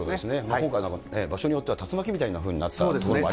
今回、場所によっては竜巻みたいなふうになってましたもんね。